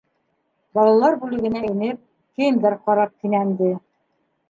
Балалар бүлегенә инеп, кейемдәр ҡарап кинәнде.